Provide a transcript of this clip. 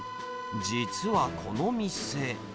実はこの店。